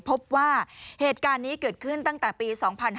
พบว่าเหตุการณ์นี้เกิดขึ้นตั้งแต่ปี๒๕๕๙